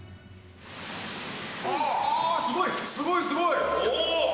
ああ、すごい、すごい、おー！